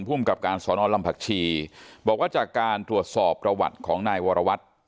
ภูมิกับการสอนอลำผักชีบอกว่าจากการตรวจสอบประวัติของนายวรวัตร